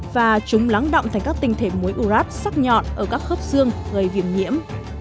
và chúng lắng động thành các tinh thể muối urat sắc nhọn ở các khớp xương gây viêm nhiễm